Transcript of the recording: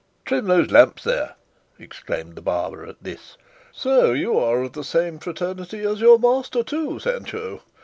"Trim those lamps there!" exclaimed the barber at this; "so you are of the same fraternity as your master, too, Sancho?